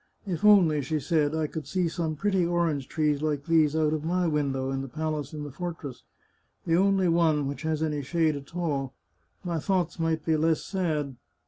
" If only," she said, " I could see some pretty orange trees like these out of my window in the palace in the fortress — the only one which has any shade at all — my thoughts might be less sad.